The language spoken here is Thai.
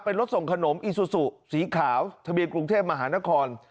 เป็นรถส่งขนมอีซูซูสีขาวทะเบียนกรุงเทพมหานคร